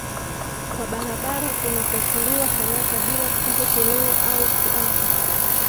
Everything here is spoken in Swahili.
kwa barabara kunatatuliwa haraka bila kupiga kelele au kuapa